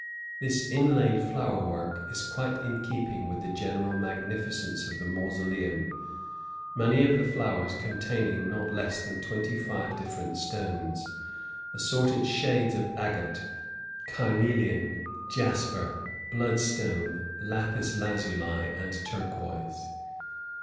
This inlaid flower work is quite in keeping with the general magnificence of the mausoleum, many of the flowers containing not less than twenty five different stones, assorted shades of agate, carnelian, jasper, blood stone, lapis lazuli, and turquoise.